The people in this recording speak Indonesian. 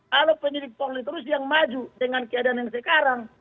kalau penyidik polri terus yang maju dengan keadaan yang sekarang